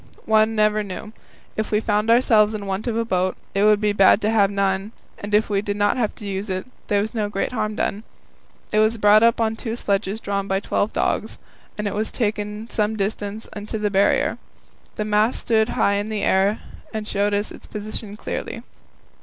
One never knew; if we found ourselves in want of a boat, it would be bad to have none, and if we did not have to use it, there was no great harm done. It was brought up on two sledges drawn by twelve dogs, and was taken some distance into the Barrier. The mast stood high in the air, and showed us its position clearly.